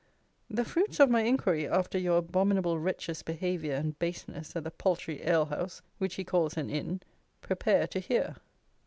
The fruits of my inquiry after your abominable wretch's behaviour and baseness at the paltry alehouse, which he calls an inn, prepare to hear.